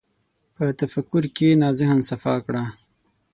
په تفکر کښېنه، ذهن صفا کړه.